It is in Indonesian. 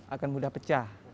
akan mudah pecah